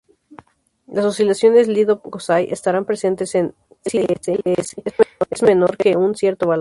Las oscilaciones Lidov-Kozai estarán presentes si Lz es menor que un cierto valor.